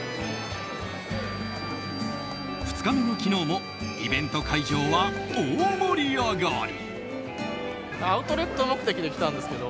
２日目の昨日もイベント会場は大盛り上がり。